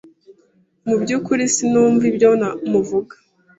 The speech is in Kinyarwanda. Mu byukuri sinumva ibyo muvuga.